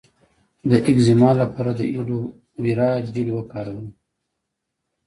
د اکزیما لپاره د ایلوویرا جیل وکاروئ